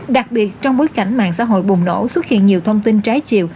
đặc biệt trong bối cảnh mạng xã hội bùng nổ xuất hiện nhiều thông tin trái chiều